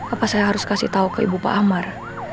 apa saya harus kasih tahu ke ibu pak amar